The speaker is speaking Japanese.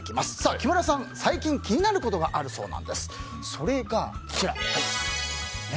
木村さん、最近気になることがあるんだそうです。